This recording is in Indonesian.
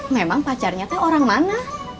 memang pacarnya orang mana